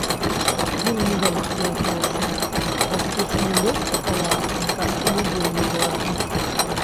Вельмі вялікія грошы, бо штучны лёд у палацы каштуе вельмі дорага.